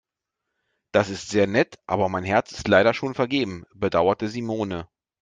Das ist sehr nett, aber mein Herz ist leider schon vergeben, bedauerte Simone.